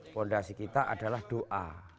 fondasi kita adalah doa